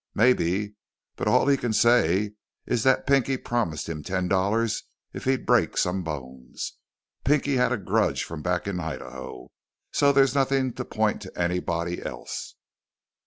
"Maybe. But all he can say is that Pinky promised him ten dollars if he'd break some bones. Pinky had a grudge from back in Idaho, so there's nothing to point to anybody else."